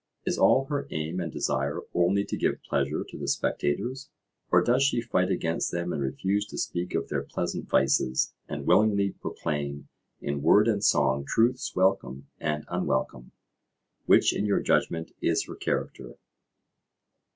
Is all her aim and desire only to give pleasure to the spectators, or does she fight against them and refuse to speak of their pleasant vices, and willingly proclaim in word and song truths welcome and unwelcome?—which in your judgment is her character?